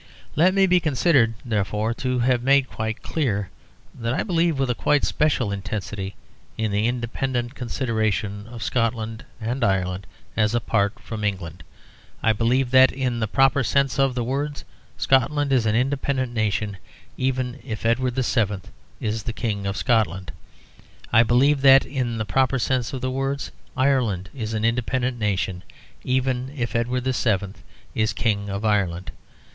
Let me be considered therefore to have made quite clear that I believe with a quite special intensity in the independent consideration of Scotland and Ireland as apart from England. I believe that, in the proper sense of the words, Scotland is an independent nation, even if Edward VII. is the King of Scotland. I believe that, in the proper sense of words, Ireland is an independent nation, even if Edward VII. is King of Ireland.